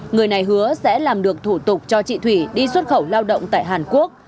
người này hứa sẽ làm được thủ tục cho chị thủy đi xuất khẩu lao động tại hàn quốc